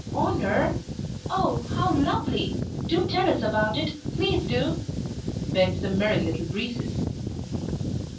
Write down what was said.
"Honor! Oh, how lovely! Do tell us about it! Please do!" begged the Merry Little Breezes.